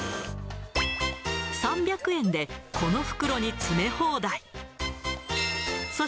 ３００円でこの袋に詰め放題。